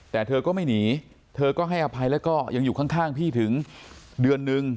แต่เธอก็ไม่หนีเธอก็ให้อภัยแล้วก็ยังอยู่ข้างพี่ถึงเดือนนึง